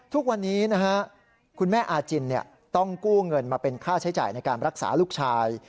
ทุกวันนี้นะฮะคุณแม่อาจินต้องกู้เงินมาเป็นค่าใช้จ่ายในการรักษาลูกชาย